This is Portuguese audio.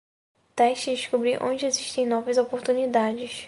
Tente descobrir onde existem novas oportunidades